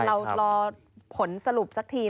เรารอผลสรุปสักทีนะ